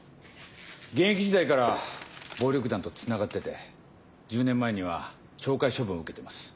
現役時代から暴力団とつながってて１０年前には懲戒処分を受けてます。